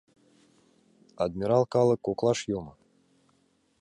Адмирал калык коклаш йомо.